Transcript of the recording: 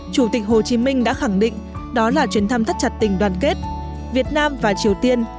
chủ tịch hồ chí minh đã khẳng định đó là chuyến thăm thắt chặt tình đoàn kết việt nam và triều tiên